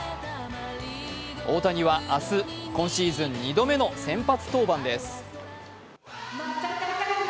大谷は明日、今シーズン２度目の先発登板です。